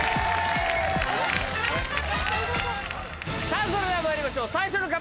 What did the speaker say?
さぁそれではまいりましょう最初の壁